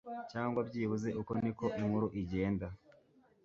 cyangwa byibuze uko niko inkuru igenda ..